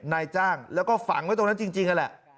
นายจ้างแล้วก็ฝังไว้ตรงนั้นจริงนั่นแหละ